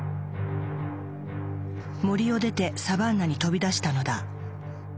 森を出てサバンナに飛び出したのだ。